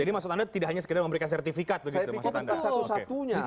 jadi maksud anda tidak hanya sekedar memberikan sertifikat begitu